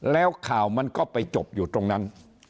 แล้วข่าวมันก็ไปจบอยู่ตรงนั้น